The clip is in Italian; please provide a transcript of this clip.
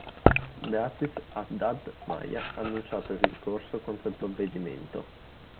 Beatriz Haddad Maia ha annunciato il ricorso contro il provvedimento.